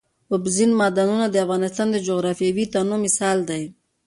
اوبزین معدنونه د افغانستان د جغرافیوي تنوع مثال دی.